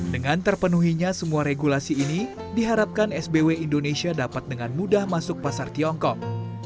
dengan terpenuhinya semua regulasi ini diharapkan sbw indonesia dapat dengan mudah masuk pasar tiongkok